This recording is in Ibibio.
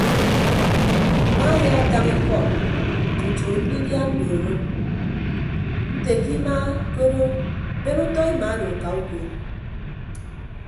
Mma ayaatañ iko tutu ndidia andooro nte ke ima ke odo ben utọ ima odo ka uko.